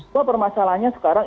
tapi permasalahannya sekarang